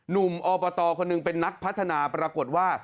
อบตคนหนึ่งเป็นนักพัฒนาปรากฏว่า